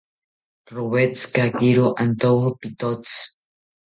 Rowetzikakiro antowo pitotzi